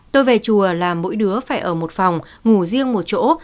tôi về chùa là mỗi đứa phải ở một phòng ngủ riêng một chỗ